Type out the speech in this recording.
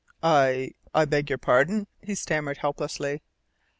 "I I beg your pardon," he stammered helplessly.